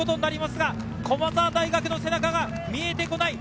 駒澤大学の背中が見えてこない。